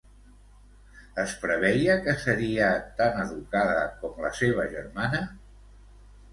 Es preveia que seria tan educada com la seva germana?